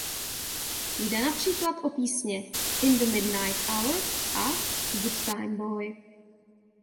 Jde například o písně „In the Midnight Hour“ a „Good Time Boy“.